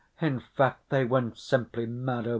In fact, they went simply mad over her.